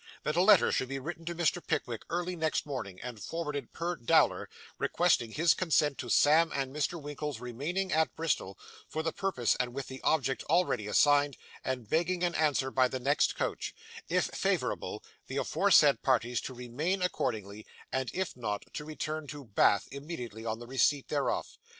That a letter should be written to Mr. Pickwick early next morning, and forwarded per Dowler, requesting his consent to Sam and Mr. Winkle's remaining at Bristol, for the purpose and with the object already assigned, and begging an answer by the next coach , if favourable, the aforesaid parties to remain accordingly, and if not, to return to Bath immediately on the receipt thereof.